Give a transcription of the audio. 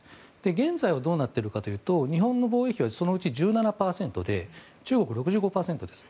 現在はどうなっているかというと日本の防衛費はそのうち１７％で中国は６５％です。